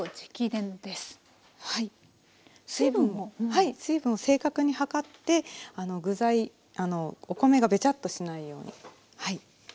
はい水分を正確に量って具材お米がべちゃっとしないように。